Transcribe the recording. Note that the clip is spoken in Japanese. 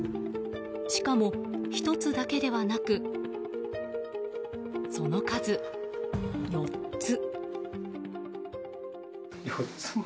しかも１つだけではなくその数、４つ。